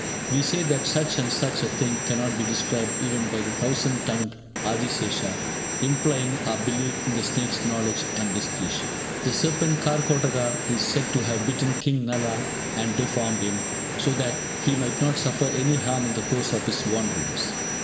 We say that such and such a thing cannot be described even by the thousand tongued Adisesha, implying our belief in the snake's knowledge and discretion. The serpent Karkotaka is said to have bitten King Nala and deformed him, so that he might not suffer any harm in the course of his wanderings.